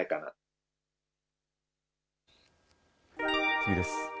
次です。